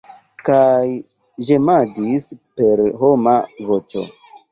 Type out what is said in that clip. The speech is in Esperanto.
Kaj ĝemadis per homa voĉo.